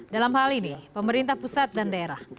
dalam hal ini pemerintah pusat dan daerah